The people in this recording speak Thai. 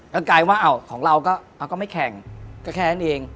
ก็กลายว่าของเราก็ไม่แข่งก็แค่นั้นเอง